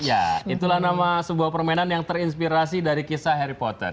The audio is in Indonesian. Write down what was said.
ya itulah nama sebuah permainan yang terinspirasi dari kisah harry potter